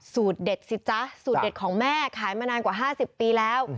สูตรเด็ดสิจ๊ะสูตรเด็ดของแม่ขายมานานกว่า๕๐ปีแล้ว